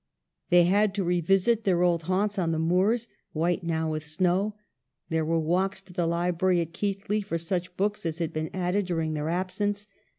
They had to revisit their old haunts on the moors, white now with snow. There were walks to the library at Keighley for such books as had been added during their ab sence.